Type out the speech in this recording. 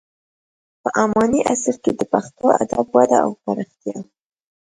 په اماني عصر کې د پښتو ادب وده او پراختیا: